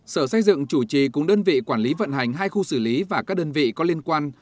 sở xây dựng chủ trì cùng đơn vị quản lý vận hành hai khu xử lý và các đơn vị có liên quan